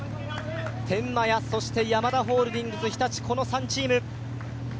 天満屋、ヤマダホールディングス、日立、この３チーム。